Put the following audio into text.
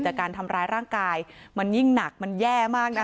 การทำร้ายร่างกายมันยิ่งหนักมันแย่มากนะคะ